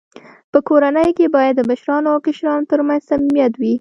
په کورنۍ کي باید د مشرانو او کشرانو ترمنځ صميميت وي.